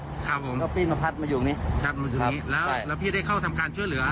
ครับผมก็เปรียบมาพัดมาอยู่อยังนี้ครับแล้วพี่ได้เข้าทำการช่วยเหลือ